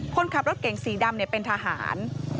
คนขับรถแกงสีดำแต่เป็นทหาร